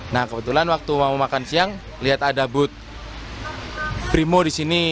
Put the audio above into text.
nah kebetulan waktu mau makan siang lihat ada booth brimo di sini